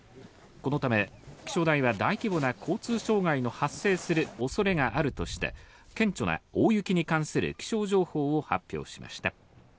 このため、気象台は大規模な交通障害の発生する恐れがあるとして顕著な大雪に関する気象情報を発表しました。